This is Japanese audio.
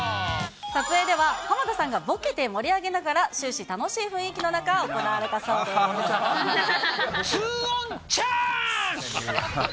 撮影では、浜田さんがボケて盛り上げながら、終始、楽しい雰囲気の中、行われツーオンチャーンス。